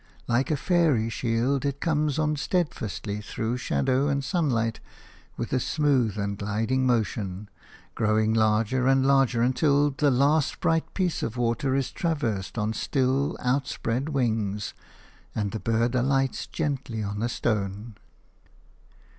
Like a fairy shield, it comes on steadfastly through shadow and sunlight with a smooth and gliding motion, growing larger and larger until the last bright piece of water is traversed on still, outspread wings, and the bird alights gently on a stone.